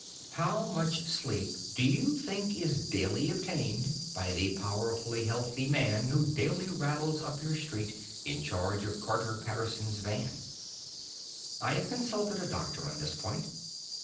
How much sleep do you think is daily obtained by the powerful healthy man who daily rattles up your street in charge of Carter Patterson's van? I have consulted a doctor on this point.